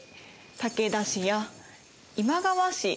武田氏や今川氏